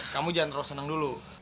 kamu jangan terus seneng dulu